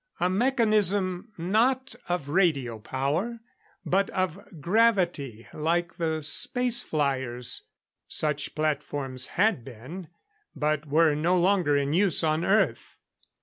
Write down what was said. A mechanism, not of radio power, but of gravity like the space flyers. Such platforms had been, but were no longer in use on Earth.